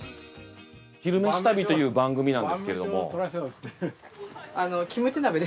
「昼めし旅」という番組なんですけども。